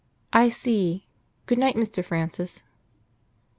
"I see.... Good night, Mr. Francis."